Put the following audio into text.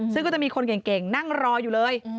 ซึ่งก็จะมีคนเก่งนั่งรออยู่เลย